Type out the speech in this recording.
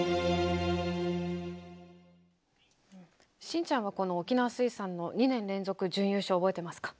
信ちゃんはこの沖縄水産の２年連続準優勝覚えてますか？